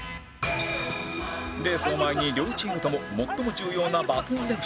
レースを前に両チームとも最も重要なバトン練習